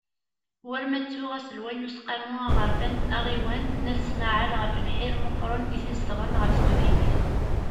War ma ttuɣ aselway n Useqqamu aɣerfan aɣiwan n At Smaɛel ɣef lḥir meqqren i t-izedɣen ɣef teqbaylit.